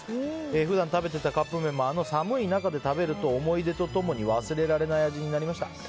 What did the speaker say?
普段食べているカップ麺もあの寒い中で食べると思い出と共に忘れられない味になりました。